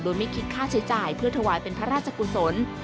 โดยไม่คิดค่าใช้จ่ายเพื่อถวายเป็นพระราชกุศล